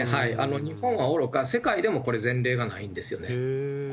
日本はおろか、世界でもこれ、前例がないんですよね。